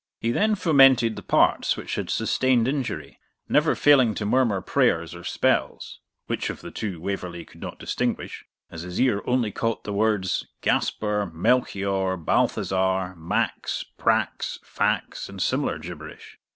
He then fomented the parts which had sustained injury, never failing to murmur prayers or spells, which of the two Waverley could not distinguish, as his ear only caught the words Gaspar Melchior Balthazar max prax fax, and similar gibberish.